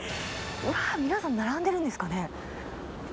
うわっ、皆さん並んでるんですかね。